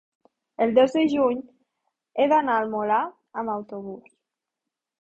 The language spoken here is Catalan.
el dos de juny he d'anar al Molar amb autobús.